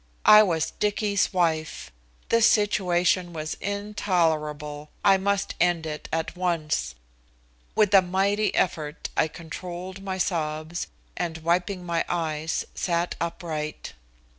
I was Dicky's wife. This situation was intolerable. I must end it at once. With a mighty effort, I controlled my sobs and, wiping my eyes, sat upright.